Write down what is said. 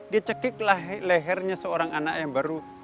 dia cekiklah lehernya seorang anak yang baru